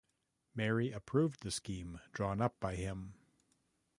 Mary approved the scheme drawn up by him.